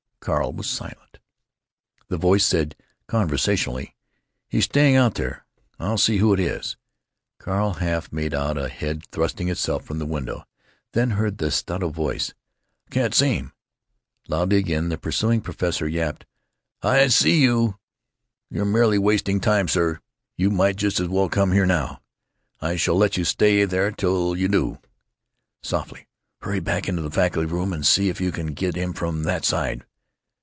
Carl was silent. The voice said, conversationally: "He's staying out there. I'll see who it is." Carl half made out a head thrusting itself from the window, then heard, in sotto voce, "I can't see him." Loudly again, the pursuing professor yapped: "Ah, I see you. You're merely wasting time, sir. You might just as well come here now. I shall let you stay there till you do." Softly: "Hurry back into the faculty room and see if you can get him from that side.